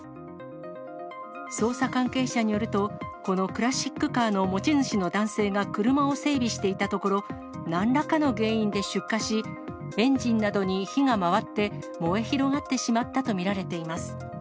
捜査関係者によると、このクラシックカーの持ち主の男性が車を整備していたところ、なんらかの原因で出火し、エンジンなどに火が回って、燃え広がってしまったと見られています。